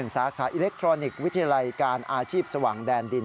สาขาอิเล็กทรอนิกส์วิทยาลัยการอาชีพสว่างแดนดิน